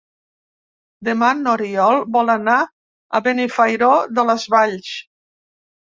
Demà n'Oriol vol anar a Benifairó de les Valls.